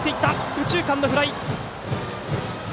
右中間のフライ。